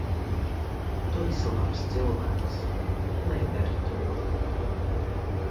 Tu esi labs cilvēks. Nedari to.